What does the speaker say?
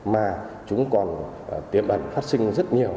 mà chúng còn tiềm bằng phát sinh rất nhiều